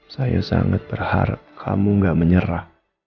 saya sangat berharap kamu gak menyerah